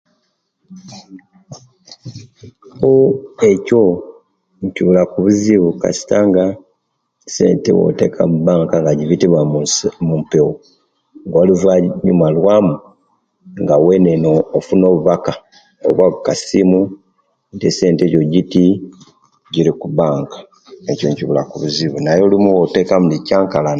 Uuh ekyo nkibulaku buzibu kasita nga esente owoteka mubanka jibitira mumpewo oluvanyuma lwamu nga wena eno ofuna obubaka oba kukasimu nti esente jo jiti gjirikubanka ekyo inkibulaku obuzibu naye olumu owotekaku nejikyamkalana